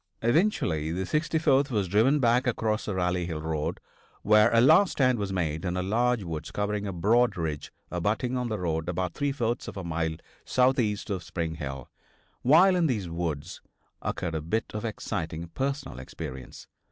Eventually the 64th was driven back across the Rally Hill road, where a last stand was made in a large woods covering a broad ridge abutting on the road about three fourths of a mile southeast of Spring Hill. While in these woods, occurred a bit of exciting personal experience.